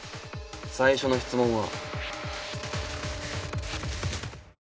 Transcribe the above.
最初の質問は。